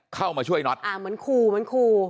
เข้ามาช่วยน็อตอ่าเหมือนขู่เหมือนขู่